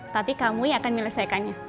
tapi kamu yang akan menyelesaikannya